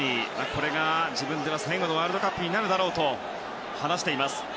これが自分では最後のワールドカップになるだろうと話しています。